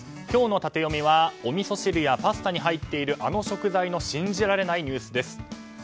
今日のタテヨミはおみそ汁やパスタに入っているあの食材の信じられないニュースです。